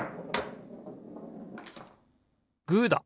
グーだ！